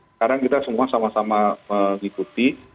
sekarang kita semua sama sama mengikuti